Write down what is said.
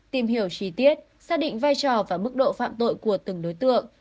tìm hiểu chi tiết xác định vai trò và mức độ phạm tội của từng đối tượng